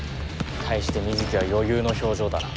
対して水城は余裕の表情だな。